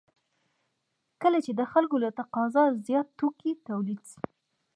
کله چې د خلکو له تقاضا زیات توکي تولید شي